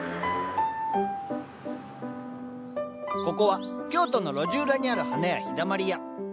ここは京都の路地裏にある花屋「陽だまり屋」。